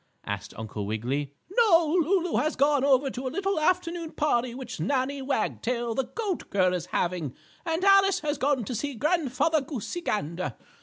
asked Uncle Wiggily. "No, Lulu has gone over to a little afternoon party which Nannie Wagtail, the goat girl, is having, and Alice has gone to see Grandfather Goosey Gander.